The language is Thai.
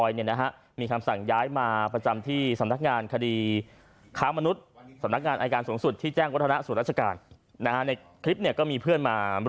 ก็ขอให้ประสบความผิดในสิ่งประการนะครับ